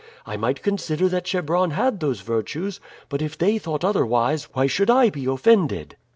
I might consider that Chebron had those virtues, but if they thought otherwise why should I be offended?"